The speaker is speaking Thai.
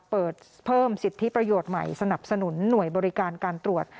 เปิดเพิ่มสิทธิประโยชน์ใหม่สนับสนุนหน่วยบริการการตรวจ